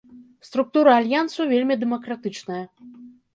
Структура альянсу вельмі дэмакратычныя.